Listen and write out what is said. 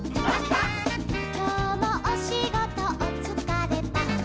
「きょうもおしごとおつかれパン」